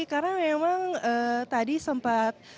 karena memang tadi sempat